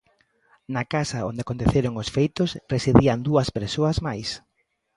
Na casa onde aconteceron os feitos residían dúas persoas máis.